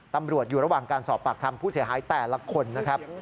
ตำรวจอยู่ระหว่างการสอบปากคำผู้เสียหายแต่ละคนนะครับ